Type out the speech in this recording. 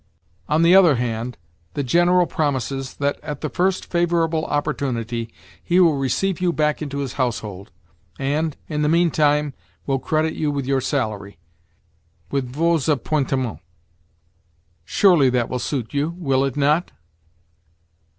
On the other hand, the General promises that at the first favourable opportunity he will receive you back into his household, and, in the meantime, will credit you with your salary—with 'vos appointements.' Surely that will suit you, will it not?"